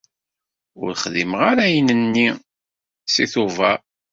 Ur xdimeɣ ara ayen-nni seg Tubeṛ.